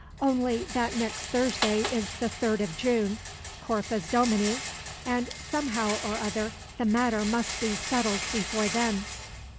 "Only that next Thursday is the 3d of June, Corpus Domini, and somehow or other the matter must be settled before then."